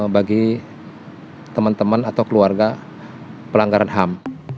bagi teman teman atau keluarga pelanggaran ham